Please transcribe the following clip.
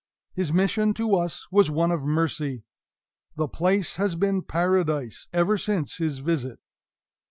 His mission to us was one of mercy. The place has been Paradise again, ever since his visit.